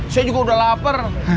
saya juga udah lapar